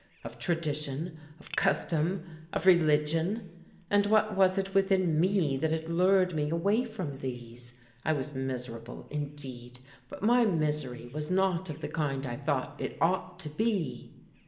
of tradition, of custom, of religion? And what was it within me that had lured me away from these? I was miserable, indeed, but my misery was not of the kind I thought it ought to be.